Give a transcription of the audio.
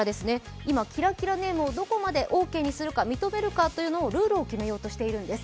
今、キラキラネームをどこまで認めるか、ルールを決めようとしているんです。